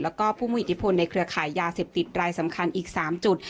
แล้วก็ผู้มีอิทธิพลในเครือขายยาเสพติดรายสำคัญอีก๓จุด